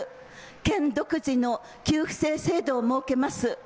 県独自の給付制度を設けます。